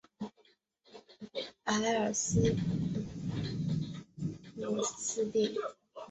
埃尔斯沃思地。